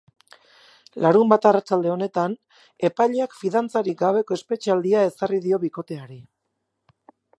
Larunbat arratsalde honetan, epaileak fidantzarik gabeko espetxealdia ezarri dio bikoteari.